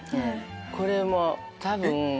これも多分。